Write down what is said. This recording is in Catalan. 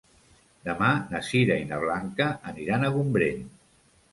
Demà na Sira i na Blanca aniran a Gombrèn.